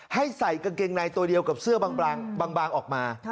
ให้ใส่กางเกงในตัวเดียวกับเสื้อบางออกมา